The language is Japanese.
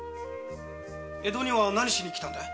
江戸には何しに来たんだい？